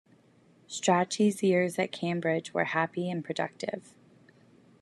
Strachey's years at Cambridge were happy and productive.